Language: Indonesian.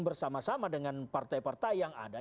bersama sama dengan partai partai yang ada